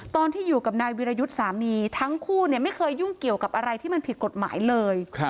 ตอนที่อยู่กับนายวิรยุทธ์สามีทั้งคู่ไม่เคยยุ่งเกี่ยวกับอะไรที่มันผิดกฎหมายเลย